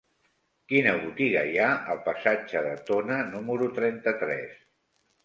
Quina botiga hi ha al passatge de Tona número trenta-tres?